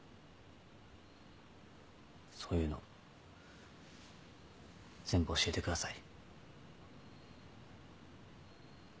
そういうの全部教えてください。